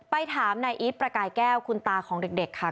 ถามนายอีทประกายแก้วคุณตาของเด็กค่ะ